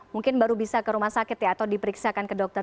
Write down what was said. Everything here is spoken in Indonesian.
mungkin baru bisa ke rumah sakit ya atau diperiksakan ke dokter